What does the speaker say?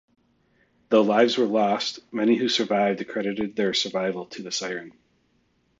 Though lives were lost, many who survived accredited their survival to the siren.